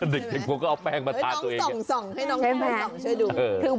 เด็กผมก็เอาแป้งมาทานตัวเอง